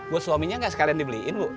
bu suaminya gak sekalian dibeliin bu